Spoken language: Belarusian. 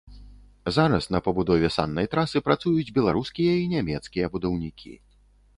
Зараз на пабудове саннай трасы працуюць беларускія і нямецкія будаўнікі.